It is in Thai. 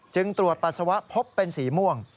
ตรวจปัสสาวะพบเป็นสีม่วง